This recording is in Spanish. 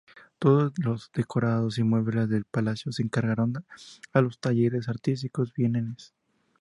Todos los decorados y muebles del palacio se encargaron a los talleres artísticos vieneses.